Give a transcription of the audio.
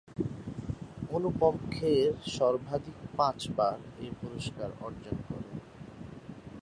অনুপম খের সর্বাধিক পাঁচবার এই পুরস্কার অর্জন করেন।